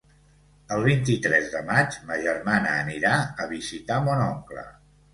El vint-i-tres de maig ma germana anirà a visitar mon oncle.